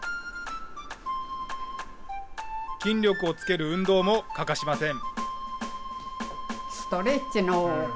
筋力をつける運動も欠かしません。